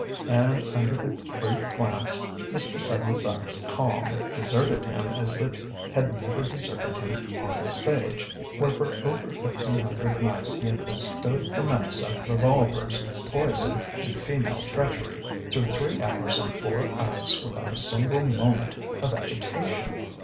And under the brief glance Mr. Seven Sachs's calm deserted him as it had never deserted him on the stage, where for over fifteen hundred nights he had withstood the menace of revolvers, poison, and female treachery through three hours and four acts without a single moment of agitation.